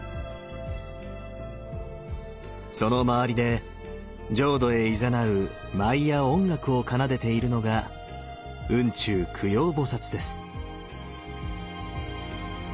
その周りで浄土へいざなう舞や音楽を奏でているのが雲中供養菩です。